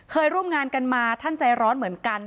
เคยร่วมงานกันมาท่านใจร้อนเหมือนกัน